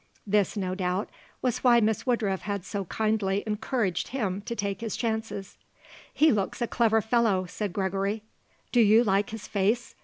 This, no doubt, was why Miss Woodruff had so kindly encouraged him to take his chances. "He looks a clever fellow," said Gregory. "Do you like his face?"